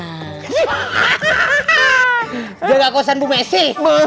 jaga kosan bu messi